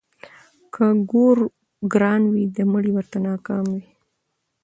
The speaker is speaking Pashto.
ـ که ګور ګران وي د مړي ورته نه کام وي.